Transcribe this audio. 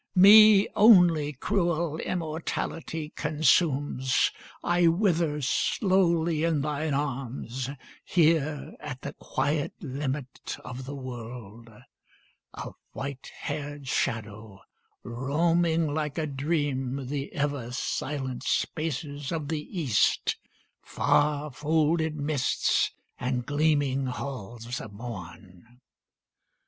Me only cruel immortality Consumes: I wither slowly in thine arms, Here at the quiet limit of the world, A white hair'd shadow roaming like a dream The ever silent spaces of the East, Far folded mists, and gleaming halls of morn.